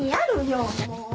もう。